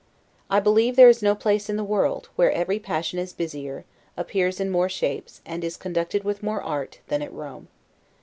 I believe there is no place in the world, where every passion is busier, appears in more shapes, and is conducted with more art, than at Rome.